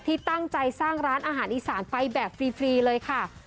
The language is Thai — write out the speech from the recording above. ที่ตั้งใจสร้างร้านอาหารอีสานไปแบบฟรีเลยค่ะ